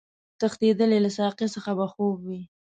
تښتېدلی له ساقي څخه به خوب وي